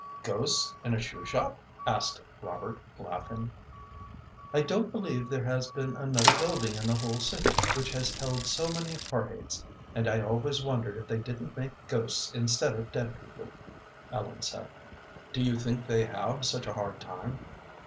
"Ghosts in a shoe shop?" asked Robert, laughing. "I don't believe there has been another building in the whole city which has held so many heart aches, and I always wondered if they didn't make ghosts instead of dead people," Ellen said. "Do you think they have such a hard time?"